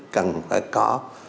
cần phải có